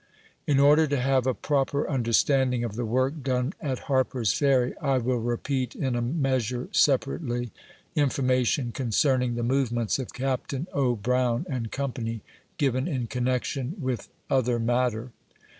In order to have a proper understanding of the work done at Harper's Ferry, I will repeat, in a measure, separately, information concerning the movements of Capt. 0. Brown and company, given in connection with other matter.